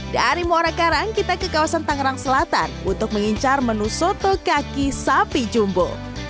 dari muara karang kita ke kawasan tangerang selatan untuk mengincar menu soto kaki sapi jumbo